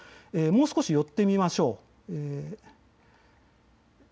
もう少し寄ってみましょう。